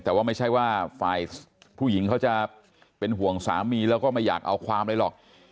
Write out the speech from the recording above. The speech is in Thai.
แต่ว่าไม่ใช่ว่าฝ่ายผู้หญิงเขาจะเป็นห่วงสามีแล้วก็ไม่อยากเอาความอะไรหรอก